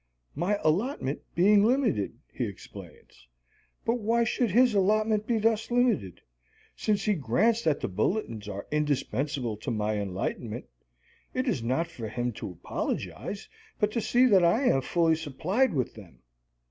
"My allotment being limited," he explains. But why should his allotment be thus limited? Since he grants that the bulletins are indispensable to my enlightenment, it is not for him to apologize, but to see that I am fully supplied with them.